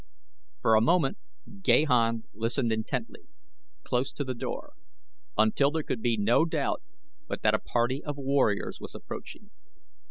For a moment Gahan listened intently, close to the door, until there could be no doubt but that a party of warriors was approaching.